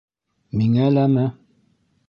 Миңә ләме?